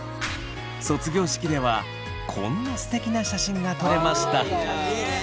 卒業式ではこんなすてきな写真が撮れました。